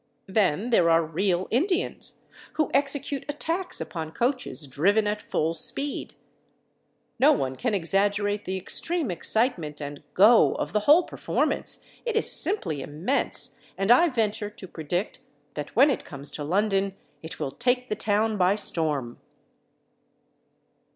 Then there are real Indians, who execute attacks upon coaches driven at full speed. No one can exaggerate the extreme excitement and 'go' of the whole performance. It is simply immense, and I venture to predict that when it comes to London it will take the town by storm."